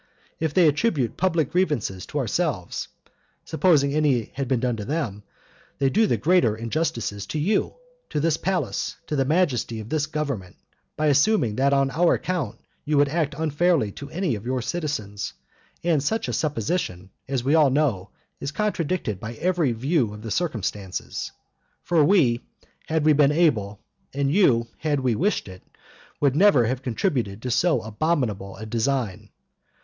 If they attribute public grievances to ourselves (supposing any had been done to them), they do the greater injustices to you, to this palace, to the majesty of this government, by assuming that on our account you would act unfairly to any of your citizens; and such a supposition, as we all know, is contradicted by every view of the circumstances; for we, had we been able, and you, had we wished it, would never have contributed to so abominable a design.